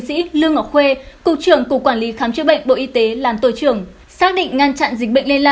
xin chào và hẹn gặp lại